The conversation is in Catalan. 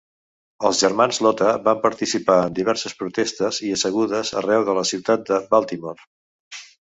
Els germans Iota van participar en diverses protestes i assegudes arreu la ciutat de Baltimore.